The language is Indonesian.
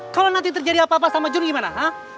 kalau nanti terjadi apa apa sama jun gimana ha